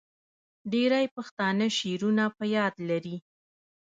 ډیری پښتانه شعرونه په یاد لري.